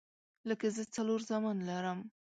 لکه زه څلور زامن لرم